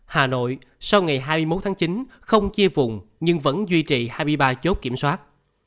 hà nội sau ngày hai mươi một tháng chín không chia vùng nhưng vẫn duy trì hai mươi ba chốt kiểm soát